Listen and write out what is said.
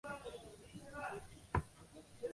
本届赛事在加拿大温哥华举行。